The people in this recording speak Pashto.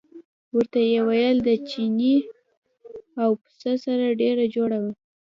ورته ویې ویل د چیني او پسه سره ډېره جوړه وه.